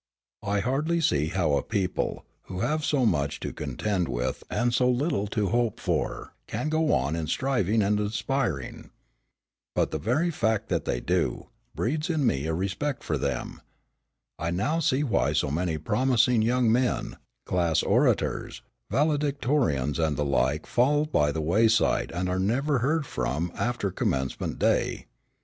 I hardly see how a people, who have so much to contend with and so little to hope for, can go on striving and aspiring. But the very fact that they do, breeds in me a respect for them. I now see why so many promising young men, class orators, valedictorians and the like fall by the wayside and are never heard from after commencement day.